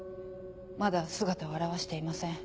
まだ姿を現していません